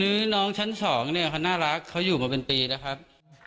คือน้องชั้น๒เนี่ยเขาน่ารักเขาอยู่มาเป็นปีแล้วครับ